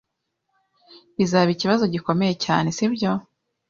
Bizaba ikibazo gikome cyane, sibyo?